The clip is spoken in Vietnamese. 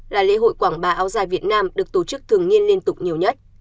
là lễ hội quảng bá áo dài việt nam được tổ chức thường niên liên tục nhiều nhất